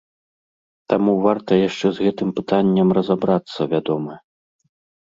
Таму варта яшчэ з гэтым пытаннем разабрацца, вядома.